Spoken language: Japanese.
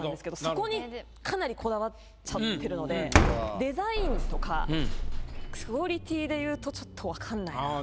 そこにかなりこだわっちゃってるのでデザインとかクオリティーでいうとちょっと分かんないかなっていう。